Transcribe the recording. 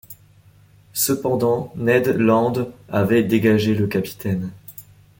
Cependant, Ned Land avait dégagé le capitaine.